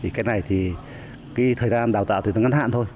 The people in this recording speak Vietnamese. thì cái này thì cái thời gian đào tạo thì nó ngắn hạn thôi